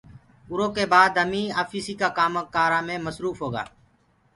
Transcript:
اُرو ڪي باد يڪو همي آفيٚسيٚ ڪآ ڪآم ڪارآ مي مسروڦ هوگآ۔